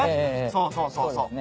そうそうそうそう。